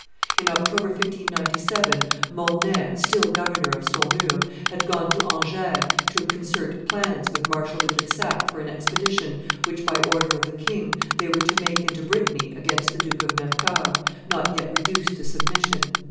In October, 1597, Mornay, still governor of Saumur, had gone to Angers to concert plans with Marshal de Brissac for an expedition which, by order of the king, they were to make into Brittany against the Duke of Mercoeur, not yet reduced to submission.